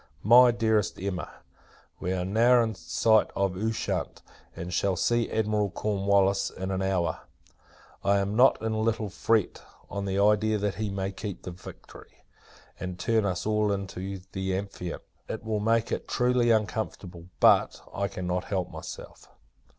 MY DEAREST EMMA, We are now in sight of Ushant, and shall see Admiral Cornwallis in an hour. I am not in a little fret, on the idea that he may keep the Victory, and turn us all into the Amphion. It will make it truly uncomfortable; but, I cannot help myself.